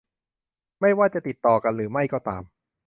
ไม่ว่าจะติดต่อกันหรือไม่ก็ตาม